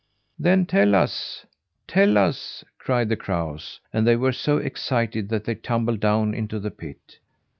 "Then tell us! Tell us!" cried the crows; and they were so excited that they tumbled down into the pit.